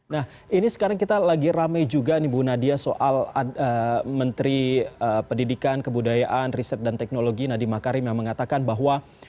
nah ini sekarang kita lagi rame juga nih bu nadia soal menteri pendidikan kebudayaan riset dan teknologi nadiem makarim yang mengatakan bahwa